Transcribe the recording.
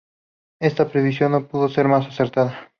Esta previsión no pudo ser más acertada.